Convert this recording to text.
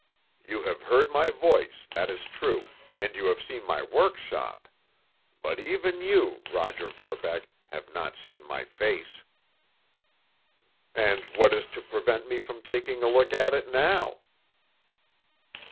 You have heard my voice, that is true, and you have seen my workshop—but even you, Roger Verbeck, have not seen my face." "And what is to prevent me taking a look at it now?"